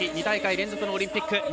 ２大会連続のオリンピック。